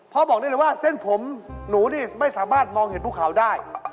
บอกได้เลยว่าเส้นผมหนูนี่ไม่สามารถมองเห็นภูเขาได้